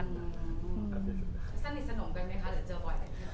สนิทสนมกันไหมคะหรือเจอบ่อยกันอย่างเงี้ย